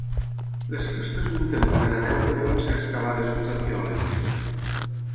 Les restes d'un temple cananeu també van ser excavades pels arqueòlegs.